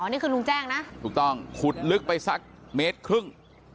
นี่คือลุงแจ้งนะถูกต้องขุดลึกไปสักเมตรครึ่ง